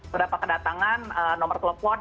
berapa kedatangan nomer telepon